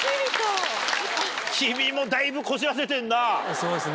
そうですね。